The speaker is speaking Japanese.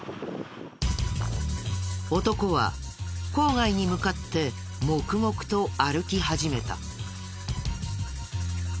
男は郊外に向かって黙々と歩き始めた。